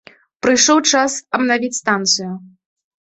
Прыйшоў час абнавіць станцыю.